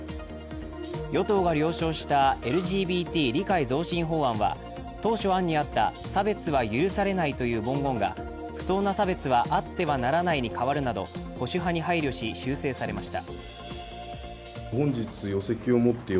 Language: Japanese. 与党が了承したＬＧＢＴ理解増進法案は当初案にあった差別は許されないという文言は「不当な差別はあってはならない」に変わるなど、保守派に配慮し修正されました。